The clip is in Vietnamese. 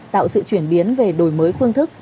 tạo sự chuyển biến về đổi mới phương thức